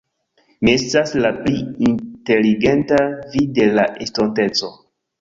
Mi estas la pli inteligenta vi de la estonteco.